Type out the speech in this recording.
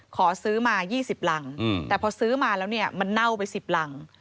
ขอซื้อมา๒๐รังแต่พอซื้อมาแล้วเนี่ยมันเน่าไป๑๐รัง